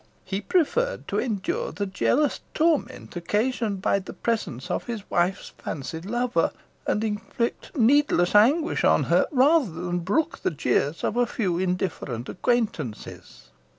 He preferred to endure the jealous torment occasioned by the presence of his wife's fancied lover, and inflict needless anguish on her, rather than brook the jeers of a few indifferent acquaintances.